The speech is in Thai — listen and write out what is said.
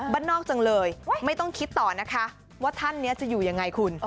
บ้านนอกจังเลยไม่ต้องคิดต่อนะคะว่าท่านนี้จะอยู่ยังไงคุณ